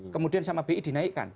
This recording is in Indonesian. kemudian sama bi dinaikkan